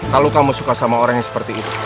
kalau kamu suka sama orang yang seperti itu